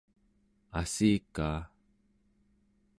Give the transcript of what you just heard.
assikaa